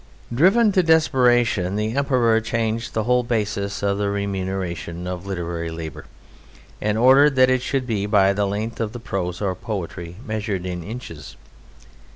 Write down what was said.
Driven to desperation, the Emperor changed the whole basis of the Remuneration of Literary Labour, and ordered that it should be by the length of the prose or poetry measured in inches.